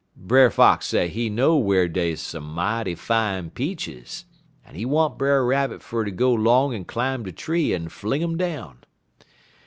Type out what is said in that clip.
Brer Fox say he know whar dey some mighty fine peaches, en he want Brer Rabbit fer ter go 'long en climb de tree en fling um down.